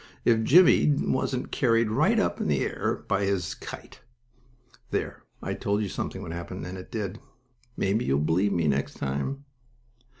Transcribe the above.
if Jimmie wasn't carried right up in the air by his kite! There, I told you something would happen, and it did! Maybe you'll believe me next time.